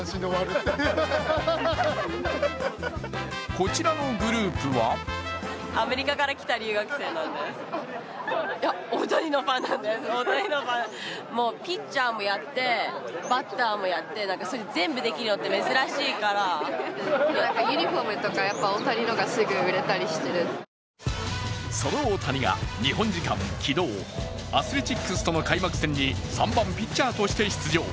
こちらのグループはその大谷が日本時間昨日、アスレチックスとの開幕戦に３番ピッチャーとして出場。